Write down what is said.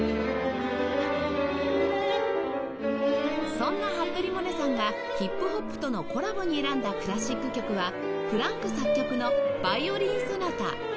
そんな服部百音さんがヒップホップとのコラボに選んだクラシック曲はフランク作曲の『ヴァイオリン・ソナタ』